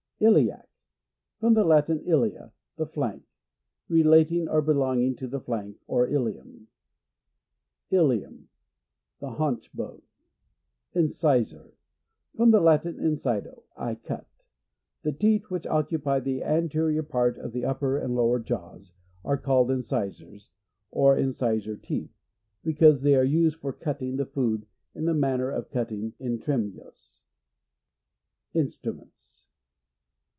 ; Iliac. — From the Latin, ilia, the \ flank. Relating or belonging to > the flank or ilium. 1 Ilium. — The haunch bone. ! Incisor. — From the Latin, incido, I cut. The teeth wliich occupy the anterior part of the upper and lower jaws, arc called incisors, or incisor PH YSIOLOG Y:— GLOSSARY. 115 teeth, because they are used for < cutting the food in the manner of j cutting instruments.